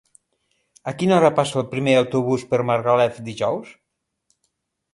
A quina hora passa el primer autobús per Margalef dijous?